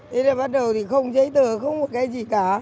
thế là bắt đầu thì không giấy tờ có một cái gì cả